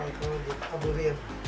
iya kalau ditaburin